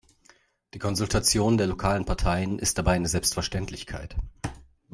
Die Konsultation der lokalen Parteien ist dabei eine Selbstverständlichkeit.